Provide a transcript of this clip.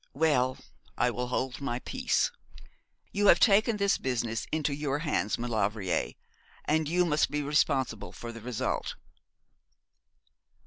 'Well, I will hold my peace. You have taken this business into your hands, Maulevrier; and you must be responsible for the result.'